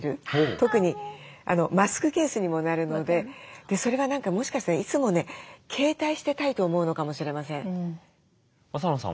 特にマスクケースにもなるのでそれは何かもしかしたらいつもね携帯してたいと思うのかもしれません。